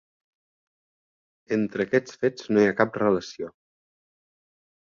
Entre aquests fets no hi ha cap relació.